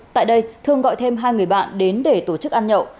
tại đây thương gọi thêm hai người bạn đến để tổ chức ăn nhậu